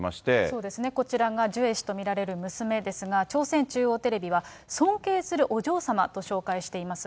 そうですね、こちらがジュエ氏と見られる娘ですが、朝鮮中央テレビは尊敬するお嬢様と紹介しています。